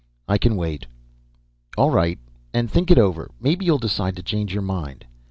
"I can wait." "All right. And think it over. Maybe you'll decide to change your mind."